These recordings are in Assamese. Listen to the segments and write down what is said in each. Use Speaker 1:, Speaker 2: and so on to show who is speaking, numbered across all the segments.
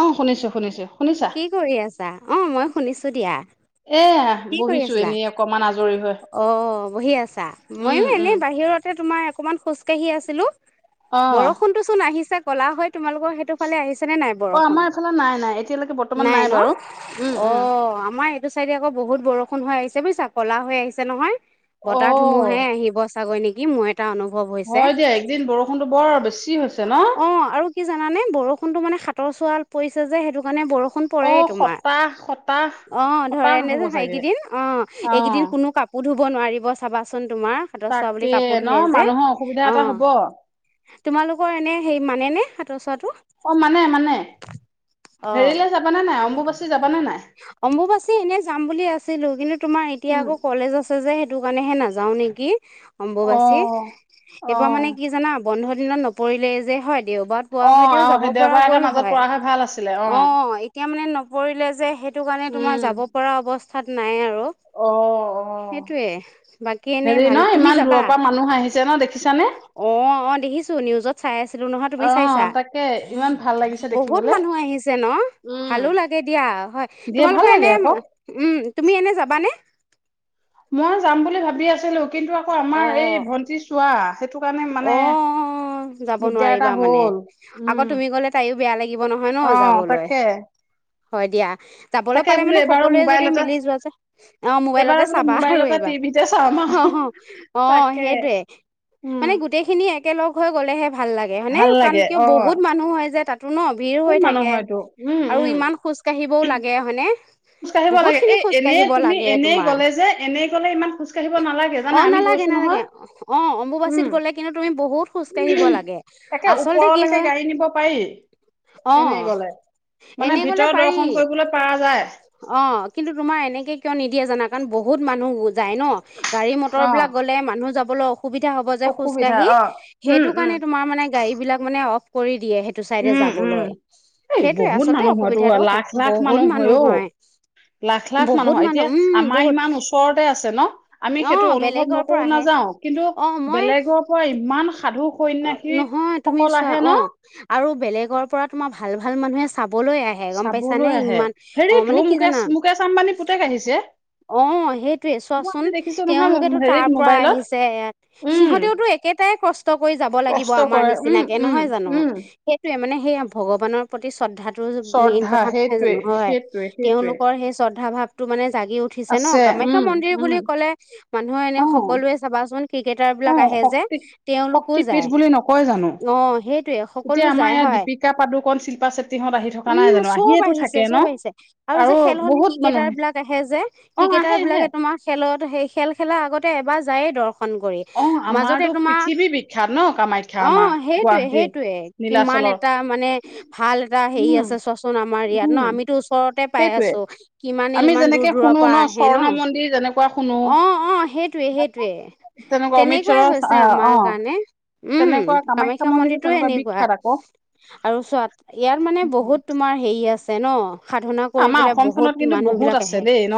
Speaker 1: অঁ, শুনিছো। শুনিছো।
Speaker 2: কি কৰি আছা? অ, মই শুনিছো দিয়া।
Speaker 1: বহিছো এনেই অকণমান আজ
Speaker 2: অ। অ বহি আছ [unintelligible] ময়ো এনেই বাহিৰতে তোমাৰ অকণমান খোজ কাঢ়ি আছিলো। বৰষুণতটো চোন আহিছে ক'লা হৈ তোমালোকৰ সেইটো ফালে আহিছে নে নাই বৰষুণ, নাই ন অ আমাৰ এইটো চাইডে আকৌ বহুত বৰষুণ হৈ আহিছে তুমি চা কলা হৈ আহিছে নহয়। বতাহ ধুমুহেই আহিব চাগৈ নেকি মই অনুভৱ হৈছে। অ' আৰু কি জানানে বৰষুণতটো মানে সাত সাত চোৱাল পৰিছে যে সেইটো কাৰণে বৰ ষুণ পৰিৰেই তোমাৰ, অ' ধৰণে যে সেই গিদিন, অ' এই গিদিন কাপোৰ ধুব নোৱাৰিব চাবাচোন। তোমাৰ সাতৰ চোৱা বুলি কাপোৰ ধোৱে যে। অ' তোমালোকৰ এনে হেই মানে নে। সাত চোৱাট
Speaker 1: অ' মানে মানে হেৰিলে যাব নে নাই অম্বুবাচী যাব নে নাই, উম।
Speaker 2: আছে যে সেইটো কাৰণে নাযাওঁ নেকি অম্বুবাচী, এইবাৰ মানে কি জানা বন্ধ দিনত নপৰিলে যে হয় দেওবাৰ পোৱা হয়তেও যাব পৰা গ'ল, হয় অ এতিয়া মানে নপৰিলে যে সেই সেইটো কাৰণে তোমাৰ যাব পৰা অৱস্ স্থাত নাই আৰু।
Speaker 1: অ'।
Speaker 2: সেইটোৱে বাকী এনেই ভাল তুমি যাবা।
Speaker 1: ছে না দেখ
Speaker 2: অ' অ' দেখিছো নিউজত চাই আছিলো নহয় তুমি চাইছা। বহুত মানুহ আহিছে ন ভালো লাগে দিয়া হয়। তোমালোকৰ এনে উম তুমি এনে যাবানে।
Speaker 1: মই যাম বুলি ভাবি আছিলো। কিন্তু আকৌ আমাৰ এই ভন্টি চোৱা।
Speaker 2: অ' যাব নোৱাৰিবা মানে। আকৌ তুমি গ'লে তাইও বেয়া লাগিব নহয় ন যাবলৈ। হয় দিয়া। যাবলৈ পালে মানে সকলোৱে যদি মিলি যোৱা যায় অ মোবাইলতে চাবা আৰু এইবাৰ অ' অ' সেইটোৱেই। মানে গোটেইখিনি এ একেলগ হৈ গ'লেহে ভাল লাগে হয়নে কাৰণ কিয় বহুত মানুহ হয় যে তাত। তাটো ন ভিৰ হৈ থাকে আৰু ইমান খোজ কাঢ়িবও লাগে হয়নে।
Speaker 1: খোজ কাঢ়িব লাগে এ এনেই তুমি এনেই গলে যে এনেই গলে ইমান খোজ কাঢ়িব নালাগে জানা আমি গৈছো নহয়।
Speaker 2: চীত গ'লে কিন্তু তুমি বহুত খোজ কাঢ়িব লাগে। আচলতে কি হয়, অ' এনে গ'লে পাৰি। অ' কিন্তু তোমাৰ এনে এনেকে কিয় নিদিয়ে জানা কাৰণ বহুত মানুহ গ'ল। যায় ন গাড়ী-মটৰ বিলাক গ'লে মানুহ যাব। বলৈ অসুবিধা হয়। খোজকাঢ়ি সেইটো কাৰনে তোমাৰ মানে গাড়ী বিলাক মানে অ কৰি।
Speaker 1: উম, উম, এ বহুত মানুহ হয়তো লাখ লাখ মানুহ হয় অ, লাখ-লাখ মানুহ হয়। এতিয়া আমাৰ ইমান ওচৰতে আছে ন' আমি সেইটো অনুভৱ নকৰো নাযাও কিন্তু বেলেগ বোৰৰ পৰা ইমান সাধু সন্যাসী সকল আহে ন?
Speaker 2: আৰু বেলেগৰ পৰা তোমাৰ ভাল ভাল মানুহে চা চাবলৈ আহে গম পাইছানে ইমান অ' মানে কি জানা, অ' সেইটোৱে চোৱাচোন তেওঁলোকেতো তাৰ পৰা আহিছে য়াত সিহঁতেওঁতো একেটাই কষ্ট কৰি যাব লাগিব আমাৰ নিচিনাকে নহয় জানো? সেইটোৱে মানে সেয়া ভগৱানৰ প্ৰতি শ্ৰদ্ধাটো মেইন কথা নহয় জানো? হয়, তেওঁলোকৰ সেই শ্ৰদ্ধা ভাৱ টো মানে জাগি উঠিছে ন কামাখ্যা মন্দিৰ বুলি ক'লে মানুহে এনে সকলোৱে চাবাচোন ঠিকে টাৰ বিলাক আহে যে, তেওঁলোকো যায় অ', সেইটয়ে সকলো যায় হয়। উম, চব আহিছে চব আহিছে আৰু যে, খেল হ'লে ক্ৰিকেটাৰ বিলাক আহে যে, ক্ৰিকেটাৰ বিলাকে তোমাৰ খেলত খেল খেলাৰ আগতে এবাৰ যায়েই দৰ্শন ক মাজতে তোমাৰ অ', সেইটোৱে সেইটোৱে কিমান এটা মানে ভাল এটা হেৰি আছে চোৱাচোন আমাৰ ইয়াত ন আমিতো ওচৰতে পাই আছো। কিমানে ইমান দূৰ দূৰৰ পৰা আহে ন। অ', অ', সেইটোৱে সেইটোৱে। তেনেকুৱাই হৈছে আমাৰ কাৰণে, উম, কামাখ্যা মন্দিৰতটো এনেকুৱা আৰু চোৱা ইয়াত মানে বহুত তোমাৰ হেৰি আছ [unintelligible] ন
Speaker 1: আমাৰ অসমখনত কিন্তু বহুত আছে দেই ন,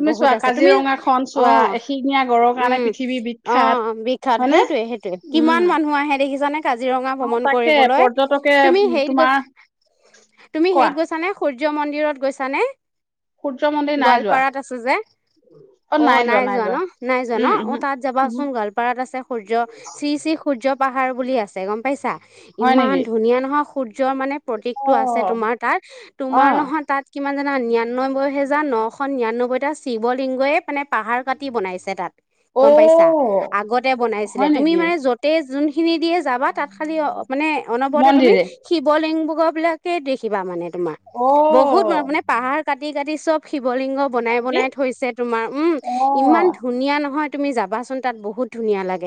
Speaker 1: তুমি চোৱা কাজিৰঙা খন চোৱা এশিঙীয়া গড়ৰ কাৰণে পৃথিৱী বি
Speaker 2: অ', বিখ্যাত সেইটোয়ে সেইটোয়ে কিমান মানুহ আহে দেখিছানে কাজিৰঙা ভ্ৰমণ কৰিবলৈ, তুমি হেয়িত গৈ তুমি হেয়িত গৈছানে? সু সূৰ্য মন্দিৰত গৈছানে? গোৱালপাৰাত আছে যে, অ', নাই যোৱা ন নাই যোৱা ন, অ', তাত যাবা গোৱালপাৰাত আছে সূৰ্য শ্ৰী শ্ৰী সূৰ্য পা পাহাৰ বুলি আছে গম পাইছা? ইমান ধুনীয়া নহয় সূৰ্য্যৰ মানে প্ৰতীকটো আছে তোমাৰ তাত তোমাৰ নহয় তাত কিমান জানা নিৰানব্বৈ হোজাৰ নশ নিৰান্নব্বৈটা শিৱলিংগইে মানে পাহাৰ কাটি বনাইছে তাত। গম পাইছা? আগতে বনাইছিলে তুমি মানে য'তে যোন খিনি দিয়ে যাবা তাত খালি মানে অনবৰতে তুমি শিৱ লিং বিলাকে দেখিবা মানে তোমাৰ বহুত মানে মানে পাহাৰ কাট কাটি কাটি চব শিৱলিংগ বনাই বনাই থৈছে তোমাৰ উম, ইমান ধুনীয়া নহয় তুমি যাবাচোন। তাত বহুত ধুনীয়া লাগে।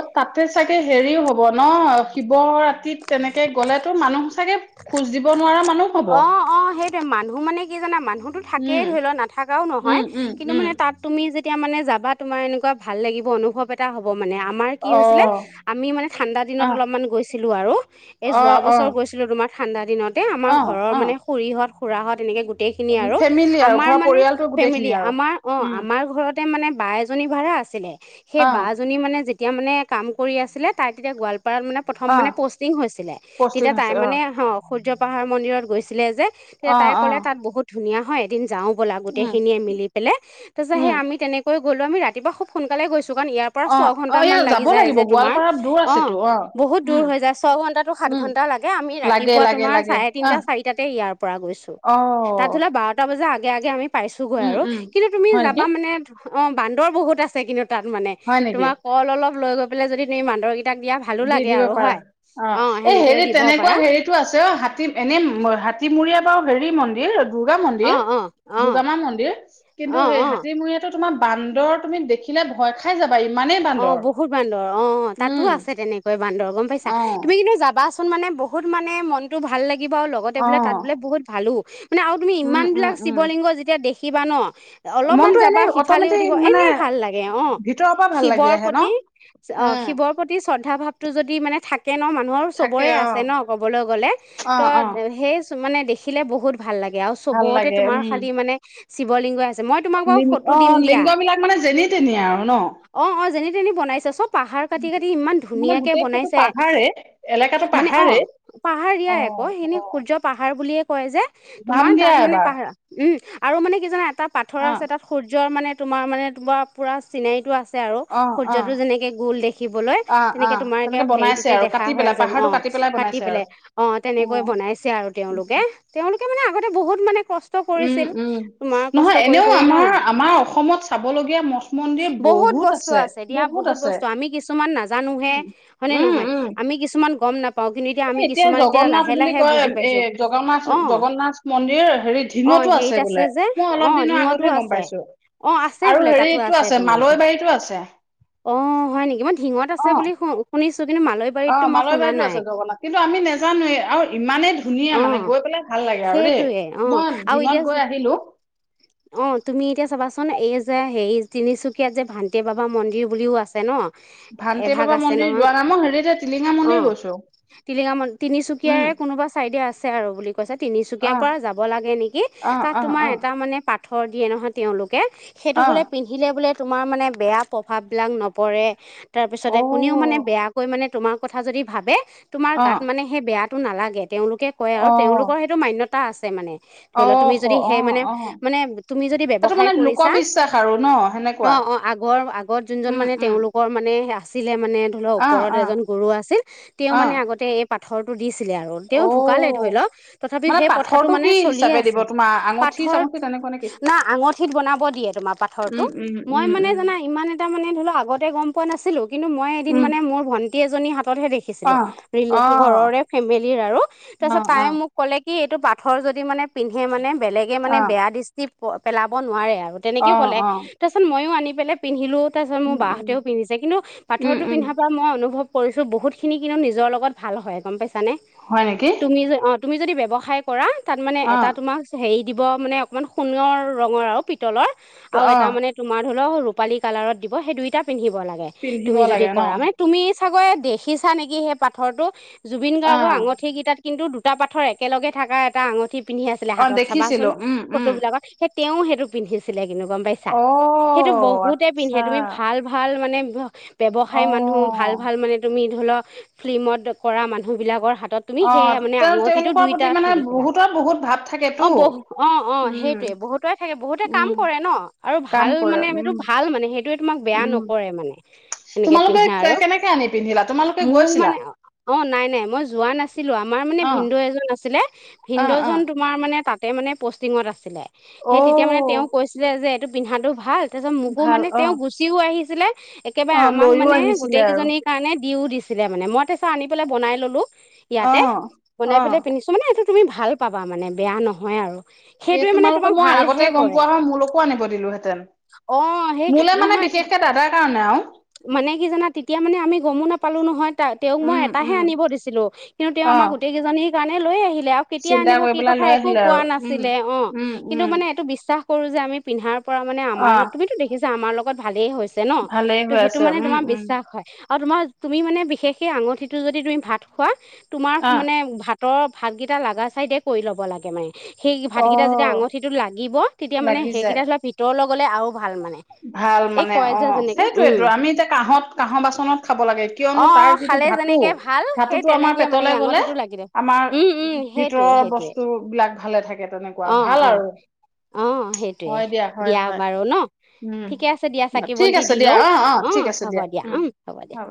Speaker 1: অ তাতে চাগে হেৰিও হব ন? শিৱ ৰাতিত তেনেকে গ'লে তো মানুহ চাগে খোজ দিব নোৱাৰা মানুহ হব?
Speaker 2: মানুহ মানে কি জানা মানুহ মানুহতো থাকেই ধৰি লওক নাথাক এতিয়া মানে যাবা তোমাৰ এনেকুৱা ভাল লাগিব অনুভৱ এটা হ'ব। মানে আমাৰ কি হৈছিলে আমি মানে ঠাণ্ডা দিনত অলপমান গৈছিলো আৰু এই যোৱা বছৰ গৈছিল। মই ঠাণ্ডা দিনত এ আমাৰ ঘৰৰ মানে খুৰি হত খুৰাহত এনেকে গতে গোটেইখিনি আৰু আমাৰ মানে ফেমিলি আমাৰ অ' আমাৰ ঘৰতে মানে বাই এজনী ভাড়া আছিলে। সেই বা জনী মানে যেতিয়া তেতিয়া মানে কাম কৰি আছিলে তাই তেতিয়া গোৱাল প্ৰথম মানে পষ্টিং হৈছিলে। তেতিয়া মানে অ' সূৰ্য পাহাৰ। মন্দিৰত গৈছিলে যে। তেতিয়া তাই ক'লে তাত বহুত ধুনীয়া হয়। এদিন যাওঁ। ব'লা গোটেই খিনিয়ে মিলি পেলে! গ'লো আমি ৰাতি দোকান ইয়াৰ পৰা আমি ৰাতিপুৱাত আগে আগে আমি পাইছোগৈ আৰু কিন্তু 'তুমি অঁ বান্দৰ বহুত আছে কিন্তু! তাত মানে, তোমাৰ কল অলপ লৈ গৈ পেলে যদি তুমি বান্দৰ! তাক দিয়া ভালো লাগে আৰু হয়। অ
Speaker 1: হেৰিতো আছে অ' হাতী এনেই হাতী মুৰীয়া বা অ' হেৰি মন্দিৰ! দুৰ্গা মন্দিৰ, দুৰ্গা মা মন্দিৰ কিন্তু সেই হাতীমূৰীয়াটো তোমাৰ বান্দৰ তুমি দেখিলে ভয় খাই যাবা।
Speaker 2: অ', বহুত বান্দৰ অ', তাতো আছে তেনেকে। বান্দৰ গম পাইছা, তুমি কিন্তু যাবা। সিদিনাসন মানে মনটো মানে বহুত ভাল লাগিল। কিবা লগতে বোলে তাত বোলে বহুত ভালো। মানে আৰু তুমি ইমানবিলাক শিৱলিংগ যেতিয়া দেখি বা ন। অলপমান যাবা সিফালে উঠিব এনে ভাল লাগে। অ', শিৱৰ প্ৰতি অ, শিৱৰ প্ৰতি শ্ৰদ্ধা ভাৱটো যদি মানে থাকে একে ন মানুহ সবৰে আছে ন ক'বলৈ গ'লে, তো সেই মানে দেখিলে বহুত, ভাল লাগে আৰু সবতে তোমাৰ খালি মানে শিৱলিংগ আছ
Speaker 1: অ লিংগ বিলাক মানে যেনি তেনি আও ন?
Speaker 2: অ অ যেনি তেনি বনাইছে চব। পাহাৰ কাটি কাটি ইমান ধুনীয়াকে বনাইছে। মানে অ! পাহাৰীয়াই আক সেইখিনি সূৰ্য পাহাৰ বুলিয়ে কয় যে তোমাৰ তাত মানে পাহাৰা, উম। আৰু মানে কি জানা তাত পাথৰ আছে তাত সূৰ্যৰ মানে তোমাৰ মানে তোমাৰ পুৰা চিনাৰিটো আছ আছে আৰু সূৰ্যটো যেনেকে গোল দেখিবলৈ তেনেকে তোমাৰ একে সেইটোতে দেখা হৈ যাব অ। কাটি পেলায় অ তেনেকৈ বনাইছে আৰু তেওঁলোকে তেওঁলোকে মানে আ আগতে বহুত মানে
Speaker 1: উম উম নহয় এনেও আমাৰ আমাৰ অসমত চাবলগীয়া মঠ মন্দিৰ বহুত
Speaker 2: স্তু আছে দিয়া বস্তু আমি কিছুমান নাজানোহে হয়নে নহয় আমি কিছুমান ও গম নাপ
Speaker 1: এ এতিয়া জগন্নাথ বুলি কয় এ জগন্নাথ জগন্নাথ মন্দিৰ হেৰি ধিংতো আছে বোলে মই অলপ দিনৰ আগতহে গম পাইছোঁ। আৰু হেৰি এইটো আছে মালৈবাৰী
Speaker 2: অ হয় নেকি? মই ধিংত আছে বুলি শু শুনিছোঁ।
Speaker 1: অ মালৈবাৰীটো আছে জগন্নাথ কিন্তু আমি নেজানোৱে ইমান ধু ধুনীয়া মানে গৈ পেলাই ভাল লাগে আৰু দে মই ঢিঙত গৈ আহিলো।
Speaker 2: অ', তুমি এতিয়া চাবাচোন এই যে হেৰিজ তিনিচুকীয়াত যে ভান্তে বাবা মন্দিৰ বুলিও আছে ন? এভাগ আছে নহয়, অ', টিলিঙা ম, তিনিচুকীয়াৰে কোনোবা চাইডে আছে আৰু বুলি কৈছে তিনিচুকীয়াৰ পৰা যাব লাগে নেকি, তাত তোমাৰ এটা মানে পাথৰ দিয়ে নহয় তেওঁলোক কে, সেইটো বোলে পিন্ধিলে বোলে তোমাৰ মানে বেয়া প্ৰভাৱবিলাক নপৰে তাৰপিছতে কোনেও মানে বেয়াকৈ মানে তোমাৰ কথা যদি ভাবে তোমাৰ গাত মানে সেই বেয়া টো নালাগে। তেওঁলোকে কয় আৰু তেওঁলোকৰ সেইটো মান্যত তা আছে মানে।
Speaker 1: অস, অ', অ'।
Speaker 2: মানে তুমি যদি ব্যবসায় কৰিছা, অ', অ', আগৰ আগত যোনজন মানে তেওঁলোকৰ মানে লে মানে ধৰি লোৱা ওপৰত এজন গুৰু আছিল, তেওঁ মানে আগতে এই পাথৰটো দিছ চিলে আৰু তেওঁ ঢুকালে ধৰি লওঁক, তথাপিও সেই প্ৰথাটো মানে চলিয়ে আছে, পাথৰ না আঙঠিত বনাব দিয়ে তোমাৰ পাথৰটো, মই মানে জানা ইমান এটা মানে ধৰি লোৱা আগতে গম পোৱা নাছি চিলো। কিন্তু মই এদিন মানে মোৰ ভণ্ট কেইজনী হাত তত হে দেখিছিলো, ৰিলো, ঘৰৰে ফেমিলীৰ আৰু তাৰপিছত তাই মোক ক'লে কি কি এইটো পাথৰ যদি মানে পিন্ধে মানে বেলেগে মানে বেয়া চি পেলাব নোৱাৰে আৰু। আও তেনেকে ক'লে, তাৰপিছত মইয়ো আনি ফেলে পিন্ধিলো। তাৰছত মোৰ বাহঁতেও পিন্ধিছে, কিন্তু পাথৰটো পিন্ধাৰ পৰা মই অনুভৱ কৰিছোঁ বহুত খিনি কিনো নিজৰ লগত ভাল হয়, গম পাইছ ছানে, তুমি যে, অ' তুমি যদি ব্যৱসায় কৰা তাত মানে এটা তোমাকচ হেৰিত দিব মানে ইমান, সোণৰ ৰঙৰ আৰু পিতলৰ, আৰু এটা মানে তোমাৰ ধলও, ৰূপালী কালাৰত দিব, সেই দুইটা পিন্ধিব লাগে। তুমি যদি কৰা, মানে তুমি চাগয়ে দেখিছা নেকি সেই পাথৰটো। জুবিন গাৰ্গৰ আঙঠি কেইটাত কিন্তু, দুটা পাথৰ একেলগে থাকা, এটা আঙঠি পিন্ধি আছিলে, হাতত চাবাচোন। ফটোবিলাকত। তেওঁ সেইটো পিন্ধিছিলে। গম পাইছা, সেইটো বহুতে পিন্ধে, তুমি ভাল, ভাল মানে [inaudible] ব্যৱসায় মানুহ, ভাল, ভাল মানে তুমি ধলত, ফিল্মত কৰা, মানুহবিলাকৰ হাত
Speaker 1: অ, তেওঁ, তেওঁলোকৰ প্ৰতি মানে বহুতৰ, বহুত ভাৱ থাকেতো।
Speaker 2: অ, সেইটোয়ে, বহুতে থাকে, বহুতে কাম কৰে ন, আৰু ভাল মানে, এইটো ভাল মানে সেইটো। তোমাক বেয়া নকৰে, মানে এনেকে পিন্ধে, আৰু মোক মানে, অ, নাই, নাই, মই যোৱা নাছিলো, আমাৰ মানে ভিনদেউ এজন আছিলে। ভিন্দ জন তোমাৰ মানে। মানে তাতে মানে পষ্ট টিঙত আছিলে, সেই তেতিয়া মানে তেওঁ কৈছিলে যে, সিটো পিন্ধাটো ভাল। তেওজন মোকো মানে তেওঁ গুচিও আহিছে, জিলাক [unintelligible] একেবাৰে আমাক মানে গোটেই কেইজনীৰ কাৰণে দিও দিছিলে মানে মই তাৰ পিছত আনি পেলাই বনাই ল'লোঁ। ইয়াতে বনাই পেলাই পিন্ধিছো মানে এইটো তুমি ভাল পাবা মানে বেয়া নহয় আৰু।
Speaker 1: এ তোমালোকে মই আগতে গম পোৱা হয়, মোলকো আনিব দিলোহেঁতেন। মোলে মানে বিশেষকে দাদাৰ কাৰণে আৰু
Speaker 2: পালোঁ নহয়। তেওঁক মই এটাহে আনিব দিছিলো কিন্তু তেওঁ আমাক গোটেই কেইজনীক। প্ৰাণে লৈ আহি [unintelligible] কেতিয়া আনিব কি কথা একো কোৱা নাছিল। [unintelligible] অ', কিন্তু মানে এইটো বিশ্বাস কৰোঁ যে আমি পিন্ধাৰ পৰা মানে আমাৰ, তুমিটো দেখিছা আমাৰ লগত ভালেই হৈছে [unintelligible] ন, ত সেইটো মানে তোমাৰ বিশ্বাস হয়। আৰু তোমাৰ, তুমি মানে বিশেষকে আঙঠিটো যদি তুমি ভাত খোৱা তোমাৰ মানে ভাত [unintelligible] ভাতকেইটা লাগা চাইদে কৰি ল'ব লাগে মানে। সেই ভাতকেইটা যদি আঙঠিটোত লাগিব, তেতিয়া মানে সেইকেইটা পিতৰ লগত গ'লে আৰু
Speaker 1: ভাল মানে, অ', সেইটোৱেটো আমি এতিয়া কাঁহত, কাঁহৰ বাচনত খাব লাগে কিয়নো তাৰ যিটো ধাতু, ধাতুটো আমাৰ পেটলে গলে আমাৰ ভিতৰৰ বস্তু বিলাক ভাল
Speaker 2: অ', অ', অ', সেইটোৱে, দিয়া বাৰু ন।
Speaker 1: উম, অ', ঠিক আছে দিয়া, অ', অ', ঠিক আছে দিয়া, উম, হব।